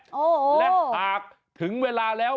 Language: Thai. โอ้โหและหากถึงเวลาแล้ว